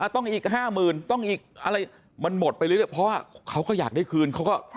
ต้องอีก๕๐๐๐ต้องอีกอะไรมันหมดไปเรื่อยเพราะว่าเขาก็อยากได้คืนเขาก็